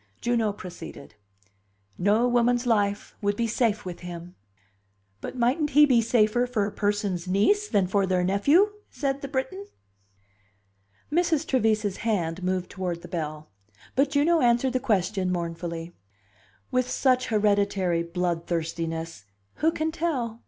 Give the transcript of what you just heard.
Juno proceeded. "No woman's life would be safe with him." "But mightn't he be safer for a person's niece than for their nephew?" said the Briton. Mrs. Trevise's hand moved toward the bell. But Juno answered the question mournfully: "With such hereditary bloodthirstiness, who can tell?"